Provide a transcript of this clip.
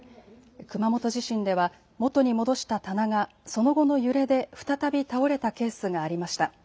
熊本地震では元に戻した棚がその後の揺れで再び倒れたケースがありました。